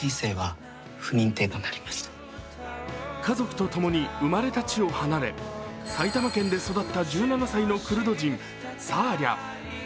家族とともに生まれた地を離れ埼玉県で育った１７歳のクルド人、サーリャ。